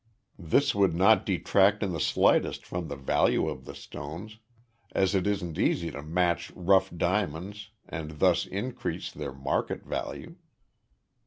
This would not detract in the slightest from the value of the stones, as it isn't easy to match rough diamonds and thus increase their market value.